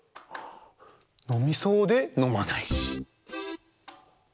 のみそうでのまないし。